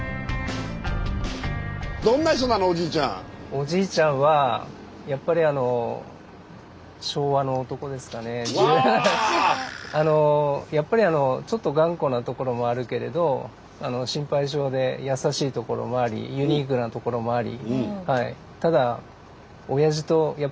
おじいちゃんはやっぱりあのやっぱりちょっと頑固なところもあるけれど心配性で優しいところもありユニークなところもあり。